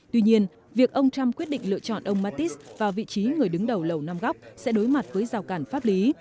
tuy nhiên việc ông trump quyết định lựa chọn ông mattis vào vị trí người đứng đầu lầu nam góc sẽ đối mặt với rào cản pháp lý